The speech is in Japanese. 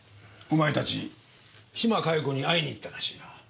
お前たち島加代子に会いに行ったらしいな。